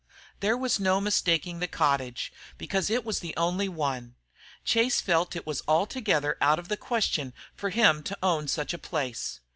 There was no mistaking the cottage, because it was the only one. Chase felt it was altogether out of the question for him to own such a place.